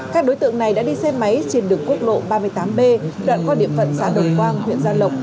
các đối tượng này đã đi xe máy trên đường quốc lộ ba mươi tám b đoạn qua địa phận xã đồng quang huyện gia lộc